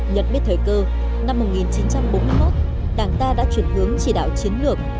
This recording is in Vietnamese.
nhận biết thời cơ năm một nghìn chín trăm bốn mươi một đảng ta đã chuyển hướng chỉ đạo chiến lược